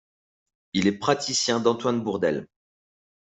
Il est praticien d'Antoine Bourdelle.